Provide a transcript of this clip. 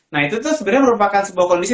nah itu tuh sebenarnya merupakan sebuah kondisi